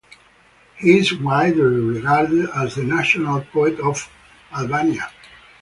He is widely regarded as the national poet of Albania.